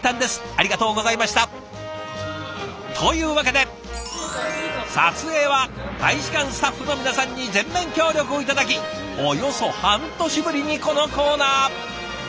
ありがとうございました！というわけで撮影は大使館スタッフの皆さんに全面協力を頂きおよそ半年ぶりにこのコーナー！